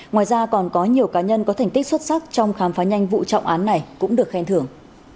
ngoài ra còn có nhiều cá nhân có thành tích xuất sắc trong khám phá nhanh vụ trọng án này cũng được khen thưởng